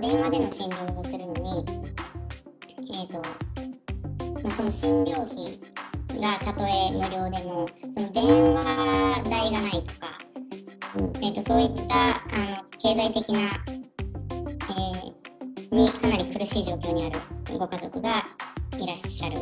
電話での診療をするのに、その診療費がたとえ無料でも、その電話代がないとか、そういった経済的にかなり苦しい状況にあるご家族がいらっしゃる。